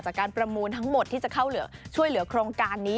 การประมูลทั้งหมดที่จะเข้าช่วยเหลือโครงการนี้